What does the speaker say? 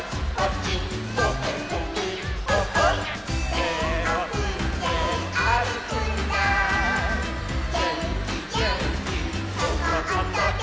「てをふってあるくんだげんきげんき」「ちょこっとげんき」